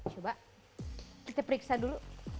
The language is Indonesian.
coba kita periksa dulu